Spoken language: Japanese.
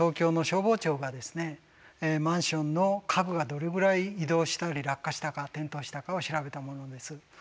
マンションの家具がどれぐらい移動したり落下したか転倒したかを調べたものです。